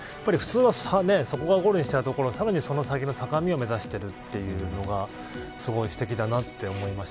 普通は、そこをゴールにしたいところをさらにその先の高みを目指しているというのがすごいすてきだなと思いました。